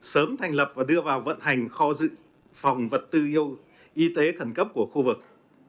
sớm thành lập và đưa vào vận hành kho dự phòng vật tư y tế khẩn cấp của khu vực